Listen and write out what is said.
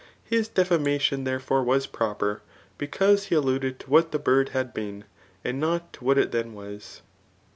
His defamation therefore was proper, because he alluded to what the bird had been, and no( to what k then was.